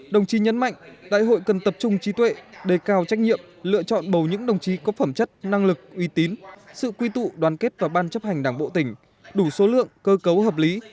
đồng chí nhấn mạnh đại hội cần tập trung trí tuệ đề cao trách nhiệm lựa chọn bầu những đồng chí có phẩm chất năng lực uy tín sự quy tụ đoàn kết và ban chấp hành đảng bộ tỉnh đủ số lượng cơ cấu hợp lý